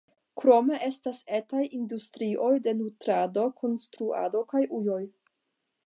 Krome estas etaj industrioj de nutrado, konstruado kaj ujoj.